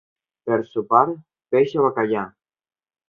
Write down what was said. Per sopar, peix o bacallà.